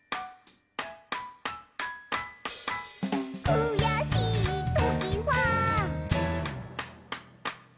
「くやしいときは」